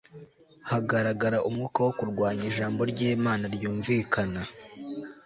Hagaragara umwuka wo kurwanya ijambo ryImana ryumvikana